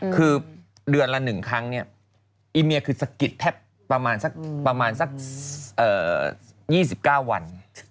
คือเดือนละ๑ครั้งเนี่ยอีเมียคือสะกิดแทบประมาณสัก๒๙วัน